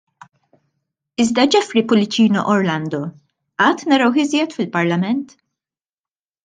Iżda Jeffrey Pullicino Orlando għad narawh iżjed fil-parlament?